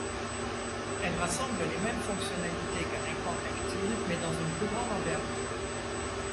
Elle rassemble les mêmes fonctionnalités qu'un écran tactile mais dans une plus grande envergure.